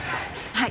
はい。